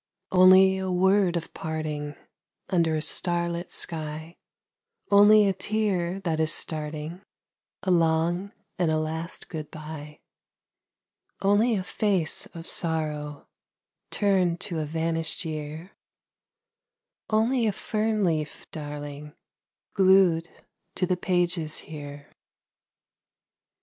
Only a word of parting Under a starlit sky; Only a tear that is starting, A long and a last good bye. Only a face of sorrow Turned to a vanished year Only a fern leaf, darling, Glued to the pages here.